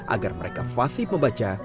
agar mereka fasih membaca